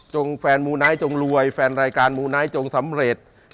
แฟนมูไนท์จงรวยแฟนรายการมูไนท์จงสำเร็จ